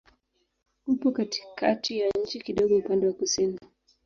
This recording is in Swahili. Upo katikati ya nchi, kidogo upande wa kusini.